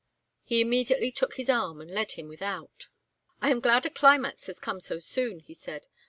He immediately took his arm and led him without. "I am glad a climax has come so soon," he said.